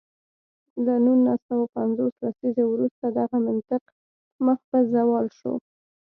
له نولس سوه پنځوس لسیزې وروسته دغه منطق مخ په زوال شو.